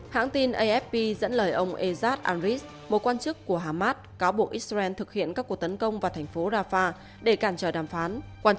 hãng tin afp dẫn lời ông ejad anris một quan chức của hamas cáo buộc israel thực hiện các cuộc tấn công vào thành phố rafah để cản trở đàm phán